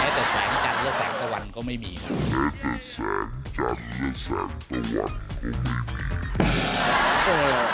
แม้แต่แสงจันทร์และแสงตะวันก็ไม่มีแม้แต่แสงจันทร์และแสงตะวันก็ไม่มี